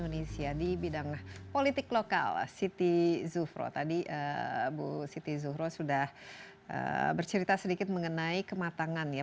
pembeli pilihan itu biasanya iya